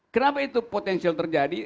kenapa itu potensial terjadi